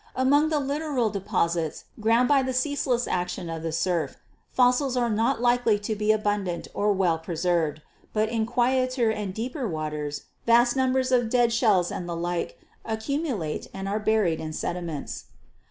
Among the littoral deposits ground by the ceaseless action of the surf fossils are not likely to be abundant or well preserved, but in quieter and deeper waters vast numbers of dead shells and the like accumulate and are buried in sediments."